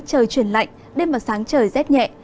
trời truyền lạnh đêm và sáng trời rét nhẹ